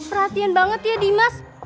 perhatian banget ya dimas